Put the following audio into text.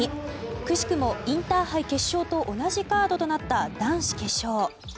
くしくもインターハイ決勝と同じカードとなった男子決勝。